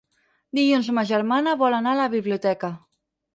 Dilluns ma germana vol anar a la biblioteca.